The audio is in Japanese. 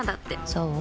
そう？